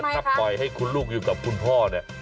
ถ้าปล่อยให้คุณลูกอยู่กับคุณพ่อเนี่ย